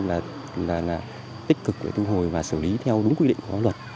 là tích cực để thu hồi và xử lý theo đúng quy định khắp luật